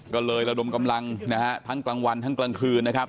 ก็เลยระดมกำลังนะฮะทั้งกลางวันทั้งกลางคืนนะครับ